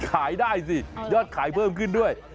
ขายได้สิยอดขายเพิ่มขึ้นด้วย